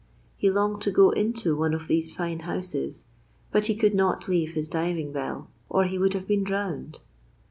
He longed to go into one of these fine houses, but he could not leave his diving bell, or he would have been drowned.